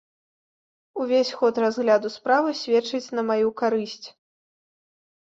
Увесь ход разгляду справы сведчыць на маю карысць.